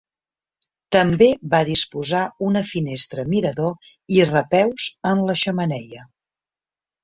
També va disposar una finestra mirador i repeus en la xemeneia.